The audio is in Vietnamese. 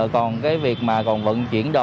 còn cái việc mà còn vẫn chuyển đồ